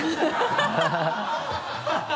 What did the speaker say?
ハハハ